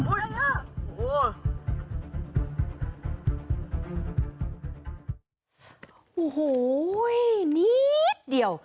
โอ้โหนิดเดียว